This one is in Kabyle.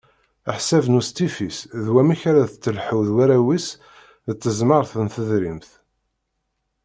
Ḥsab n ustifi-s d wamek ara d-telhu d warraw-is d tezmart n tedrimt.